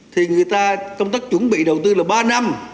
thì người ta công tác chuẩn bị đầu tư là ba năm